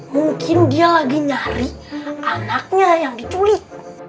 mungkin dia lagi nyari anaknya yang diculik